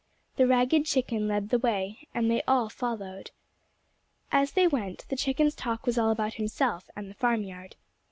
The ragged chicken led the way, and they all followed. As they went the chicken's talk was all about himself and the farmyard.